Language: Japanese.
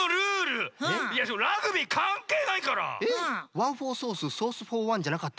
「ワンフォーソースソースフォーワン」じゃなかった？